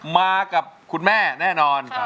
มากับคุณแม่แน่นอน